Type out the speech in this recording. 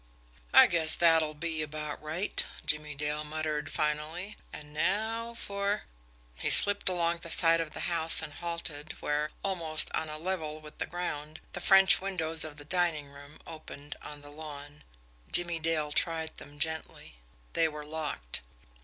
"I guess that'll be about right," Jimmie Dale muttered finally. "And now for " He slipped along the side of the house and halted where, almost on a level with the ground, the French windows of the dining room opened on the lawn. Jimmie Dale tried them gently. They were locked.